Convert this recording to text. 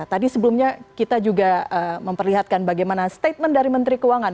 tadi sebelumnya kita juga memperlihatkan bagaimana statement dari menteri keuangan